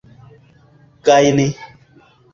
gajni